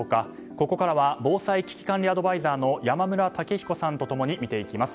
ここからは防災・危機管理アドバイザーの山村武彦さんと共に見ていきます。